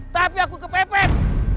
tapi aku kepepet